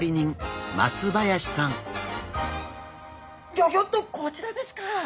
ギョギョッとこちらですか！